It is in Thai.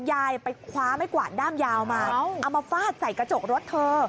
ยายไปคว้าไม่กวาดด้ามยาวมาเอามาฟาดใส่กระจกรถเธอ